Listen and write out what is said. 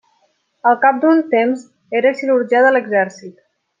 Al cap d'un temps era cirurgià de l'exèrcit.